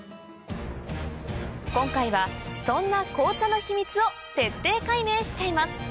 今回はそんな紅茶の秘密を徹底解明しちゃいます